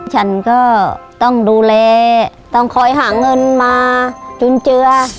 ฉันก็ต้องดูแลต้องคอยหาเงินมาจุนเจือ